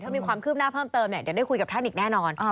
ถ้ามีความคืบหน้าเพิ่มเติมเนี่ยเดี๋ยวได้คุยกับท่านอีกแน่นอน